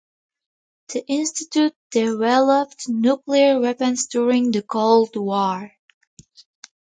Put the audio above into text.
The institute developed nuclear weapons during the Cold War.